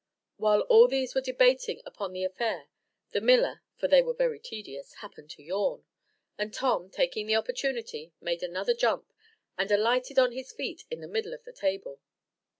While all these were debating upon the affair, the miller (for they were very tedious) happened to yawn, and Tom, taking the opportunity, made another jump, and alighted on his feet in the middle of the table.